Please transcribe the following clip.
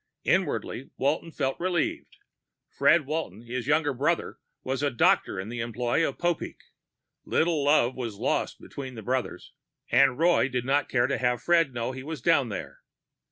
Inwardly, Walton felt relieved. Fred Walton, his younger brother, was a doctor in the employ of Popeek. Little love was lost between the brothers, and Roy did not care to have Fred know he was down there.